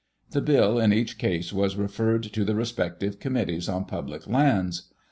The bill in each case was referred to the respective Committees on Public Lands.